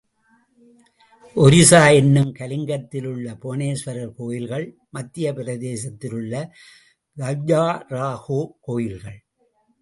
ஒரிசா என்னும் கலிங்கத்தில் உள்ள புவனேஸ்வரர் கோயில்கள், மத்திய பிரதேசத்திலுள்ள கஜுராஹோ கோயில்கள்.